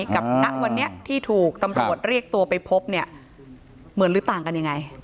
กับณวันนี้ที่ถูกตำรวจเรียกตัวไปพบเนี่ยเหมือนหรือต่างกันยังไง